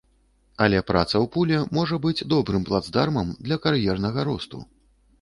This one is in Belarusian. Але праца ў пуле можа быць добрым плацдармам для кар'ернага росту.